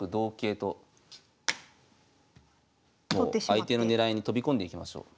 相手の狙いに飛び込んでいきましょう。